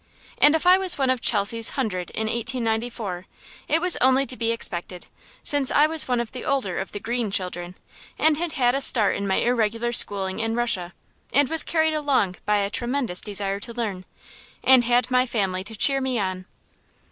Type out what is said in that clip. And if I was one of Chelsea's hundred in 1894, it was only to be expected, since I was one of the older of the "green" children, and had had a start in my irregular schooling in Russia, and was carried along by a tremendous desire to learn, and had my family to cheer me on.